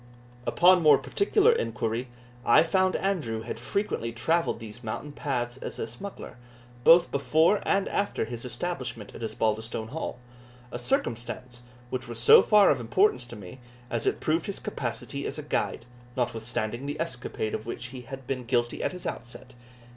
Upon more particular inquiry, I found Andrew had frequently travelled these mountain paths as a smuggler, both before and after his establishment at Osbaldistone Hall a circumstance which was so far of importance to me, as it proved his capacity as a guide, notwithstanding the escapade of which he had been guilty at his outset.